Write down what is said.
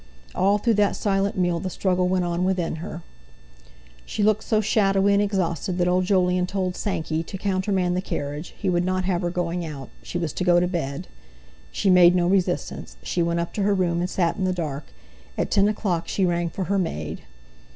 All through that silent meal the struggle went on within her. She looked so shadowy and exhausted that old Jolyon told "Sankey" to countermand the carriage, he would not have her going out.... She was to go to bed! She made no resistance. She went up to her room, and sat in the dark. At ten o'clock she rang for her maid.